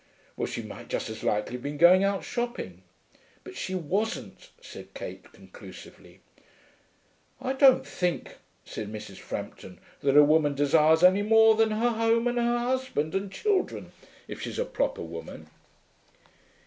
'Well, she might just as likely have been going out shopping.' 'But she wasn't,' said Kate conclusively. 'I don't think,' said Mrs. Frampton, 'that a woman desires any more than her home and her husband and children, if she's a proper woman.'